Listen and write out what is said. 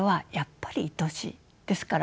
ですから